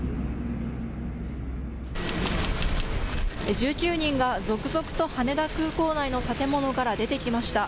１９人が続々と羽田空港内の建物から出てきました。